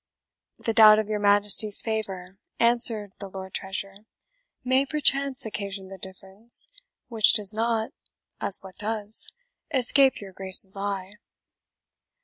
"The doubt of your Majesty's favour," answered the Lord Treasurer, "may perchance occasion the difference, which does not as what does? escape your Grace's eye."